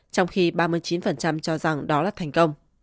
trong khi ba mươi chín cho rằng đó là thành công